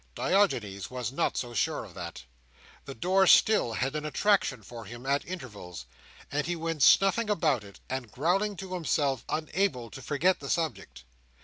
Diogenes was not so sure of that. The door still had an attraction for him at intervals; and he went snuffing about it, and growling to himself, unable to forget the subject.